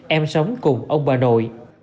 em sống cùng ông bà nội